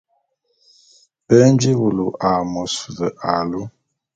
Be nji wulu a môs ve alu.